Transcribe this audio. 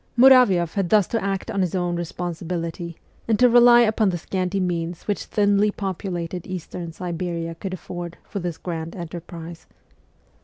Muravioff had thus to act on his own responsibility, and to rely upon the scanty means which thinly populated Eastern Siberia could afford for this grand enterprise.